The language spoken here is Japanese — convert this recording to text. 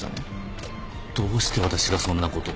どうして私がそんなことを。